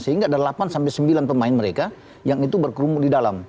sehingga ada delapan sembilan pemain mereka yang itu berkerumun di dalam